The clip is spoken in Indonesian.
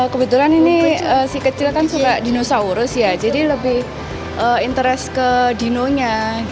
kebetulan ini si kecil kan suka dinosaurus ya jadi lebih interes ke dinonya